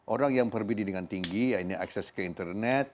orang yang perbedaan dengan tinggi akses ke internet